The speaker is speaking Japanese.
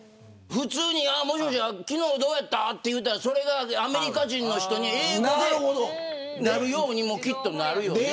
普通に、もしもし昨日どうやったと言ったらそれがアメリカ人の人に英語でなるようにもきっと、なるよね。